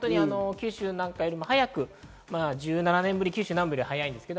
九州なんかよりも早く１７年ぶり、九州南部より早いです。